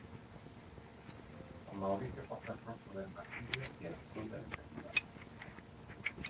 San Mauricio porta el rojo del martirio y el azul de la eternidad.